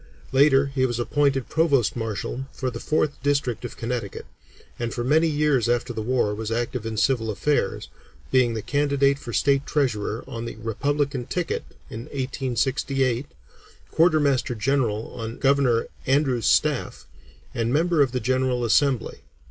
Later he was appointed Provost Marshal for the Fourth District of Connecticut, and for many years after the war was active in civil affairs, being the candidate for State Treasurer on the Republican ticket in 1868, Quartermaster General on Governor Andrews' staff, and member of the General Assembly.